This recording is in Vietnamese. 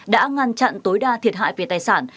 đã ngăn chặn tối đa thiệt hại về tài sản